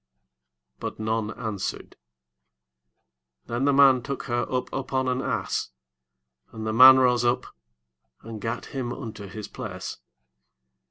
But none answered. Then the man took her up upon an ass, and the man rose up, and gat him unto his place.